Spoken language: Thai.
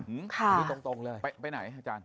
ค่ะไปไหนคุณอาจารย์